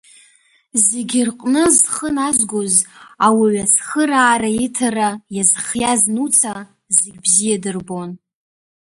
Зегьы рҟны зхы назгоз, ауаҩы ацхыраара иҭара иазхиаз Нуца, зегьы бзиа дырбон.